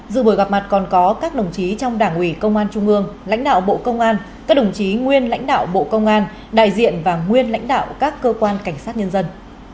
dự buổi gặp mặt còn có các đồng chí trong đảng ủy công an trung ương lãnh đạo bộ công an các đồng chí nguyên lãnh đạo bộ công an đại diện và nguyên lãnh đạo các cơ quan cảnh sát nhân dân